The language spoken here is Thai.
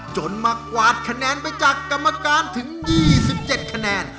มากวาดคะแนนไปจากกรรมการถึง๒๗คะแนน